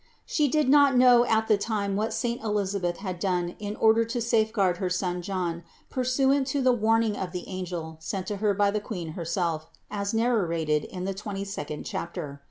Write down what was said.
675. She did not know at the time what saint Elisabeth had done in order to safeguard her son John pursuant to the warning of the angel sent to her by the Queen Her self, as narrated in the twenty second chapter.